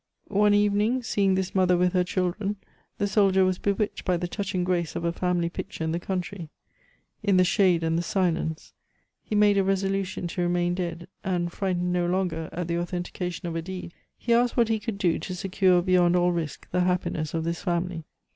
One evening, seeing this mother with her children, the soldier was bewitched by the touching grace of a family picture in the country, in the shade and the silence; he made a resolution to remain dead, and, frightened no longer at the authentication of a deed, he asked what he could do to secure beyond all risk the happiness of this family.